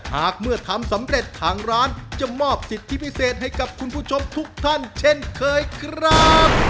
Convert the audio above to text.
หากเมื่อทำสำเร็จทางร้านจะมอบสิทธิพิเศษให้กับคุณผู้ชมทุกท่านเช่นเคยครับ